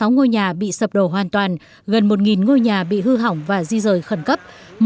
năm trăm sáu mươi sáu ngôi nhà bị sập đổ hoàn toàn gần một nghìn ngôi nhà bị hư hỏng và di rời khẩn cấp